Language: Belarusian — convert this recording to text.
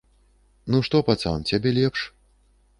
Ну што, пацан, цябе лепш?